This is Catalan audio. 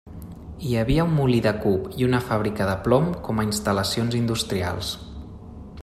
Hi havia un molí de cub i una fàbrica de plom com a instal·lacions industrials.